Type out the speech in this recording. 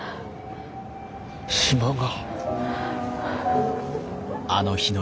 島が。